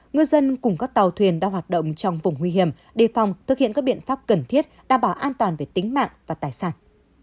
ngư dân cùng các tàu thuyền đang hoạt động trong vùng nguy hiểm đề phòng thực hiện các biện pháp cần thiết đảm bảo an toàn về tính mạng và tài sản